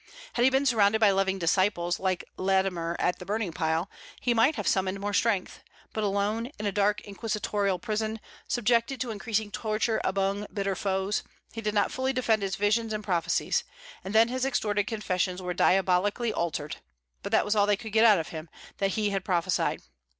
Had he been surrounded by loving disciples, like Latimer at the burning pile, he might have summoned more strength; but alone, in a dark inquisitorial prison, subjected to increasing torture among bitter foes, he did not fully defend his visions and prophecies; and then his extorted confessions were diabolically altered. But that was all they could get out of him, that he had prophesied.